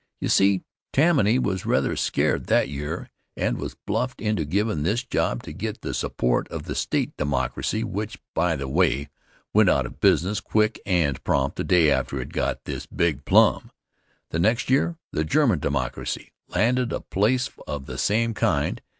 You see, Tammany was rather scared that year and was bluffed into givin' this job to get the support of the State Democracy which, by the way, went out of business quick and prompt the day after it got this big plum. The next year the German Democracy landed a place of the same kind.